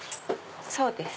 そうです。